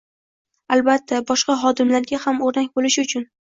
Albatta boshqa xodimlarga ham o‘rnak bo‘lishi uchun.